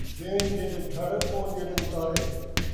جے جیݙے جھڑ ، او جیݙے اُتارے